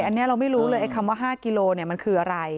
อันนี้เราไม่รู้เลยไอ้คำว่า๕กิโลมันคืออะไร